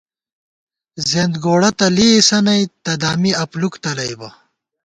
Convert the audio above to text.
زِیَنت گوڑہ تہ لېئیسَہ نی، تہ دامی اپلُوک تلئیبہ